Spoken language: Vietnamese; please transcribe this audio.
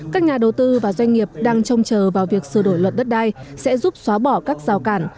các nhà đầu tư và doanh nghiệp đang trông chờ vào việc sửa đổi luật đất đai sẽ giúp xóa bỏ các rào cản